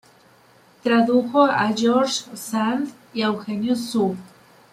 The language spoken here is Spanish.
Tradujo a George Sand y a Eugenio Sue.